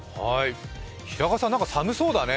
平賀さん、なんか寒そうだね。